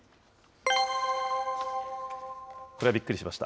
これはびっくりしました。